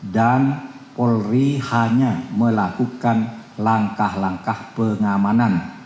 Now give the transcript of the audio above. dan polri hanya melakukan langkah langkah pengamanan